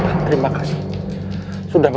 baik ganjeng sunan